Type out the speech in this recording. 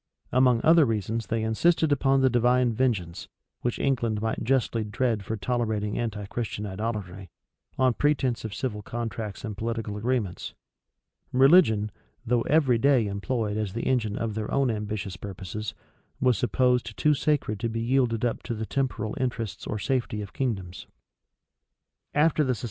Among other reasons, they insisted upon the divine vengeance, which England might justly dread for tolerating anti Christian idolatry, on pretence of civil contracts and political agreements.[v] Religion, though every day employed as the engine of their own ambitious purposes, was supposed too sacred to be yielded up to the temporal interests or safety of kingdoms. * Rush. vol.